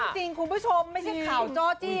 จริงคุณผู้ชมไม่ใช่ข่าวจ้อจี้